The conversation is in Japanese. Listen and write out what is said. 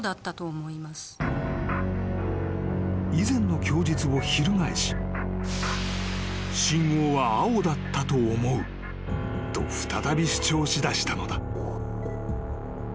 ［以前の供述を翻し信号は青だったと思うと再び主張しだしたのだ］